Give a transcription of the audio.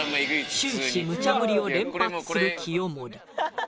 終始むちゃ振りを連発する清盛。